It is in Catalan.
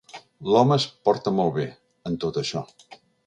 L'home es portà molt bé, en tot això.